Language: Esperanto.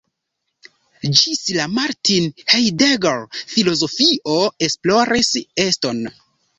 Ĝis la Martin Heidegger filozofio esploris eston.